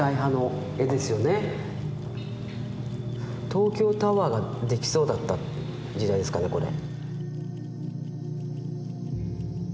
東京タワーができそうだった時代ですかねこれ。